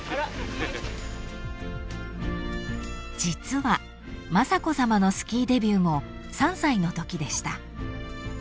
［実は雅子さまのスキーデビューも３歳のときでした］